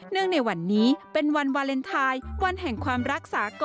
ในวันนี้เป็นวันวาเลนไทยวันแห่งความรักษาก่อน